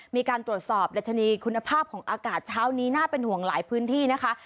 มีการตรวจสอบดัชนีคุณภาพของอากาศเช้านี้น่าเป็นห่วงหลายพื้นที่นะคะ